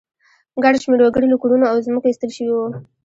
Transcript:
ګڼ شمېر وګړي له کورونو او ځمکو ایستل شوي وو